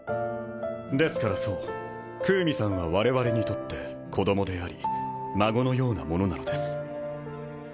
ですからそうクウミさんは我々にとって子どもであり孫のようなものなのです。